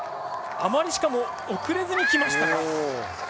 あまり、しかも遅れずに来ました。